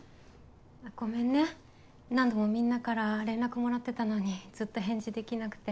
ごめんね何度もみんなから連絡もらってたのにずっと返事できなくて。